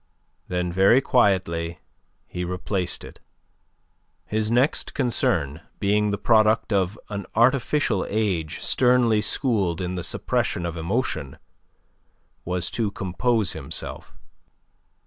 Then very quietly he replaced it. His next concern, being the product of an artificial age sternly schooled in the suppression of emotion, was to compose himself.